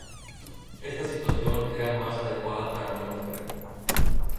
Esta situación era más adecuada para una mujer.